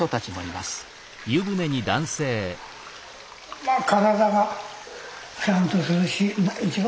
まあ体がしゃんとするし一番